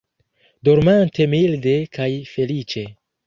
Dormante milde kaj feliĉe!